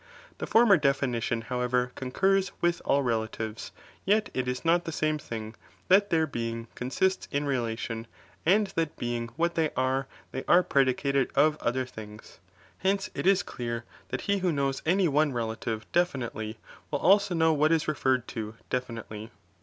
The fanner definition, however, concurs with all relatives, yet it b Dot the same thing, that their being, consists in relation, ud that being what they are, they are predicated j;. ona ren uf otber things. Hence it is clear, that he who "'f *«iiig knows any one relative, definitely, will also know icLiiiiB can im what it is rei'errcd to, definitely.